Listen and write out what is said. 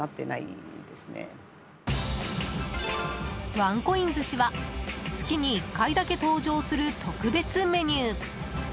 ワンコイン寿司は月に１回だけ登場する特別メニュー。